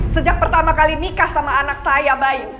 sejak pertama kali nikah sama anak saya bayi